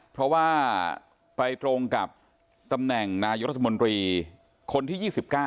เพราะว่าไปตรงกับตำแหน่งนายรัฐมนตรีคนที่๒๙